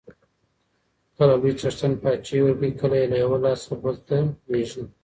کله لوی څښتن پاچاهي ورکوي، کله یې له یوه لاسه بل ته لیږي.